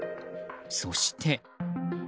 そして。